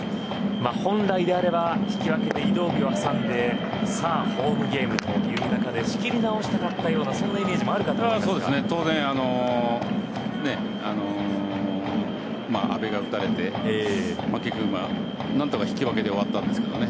本来であれば引き分けで移動日を挟んでさあホームゲームという中で仕切り直したかったようなイメージと思いますがまあ阿部が打たれて何とか引き分けで終わったんですけどね。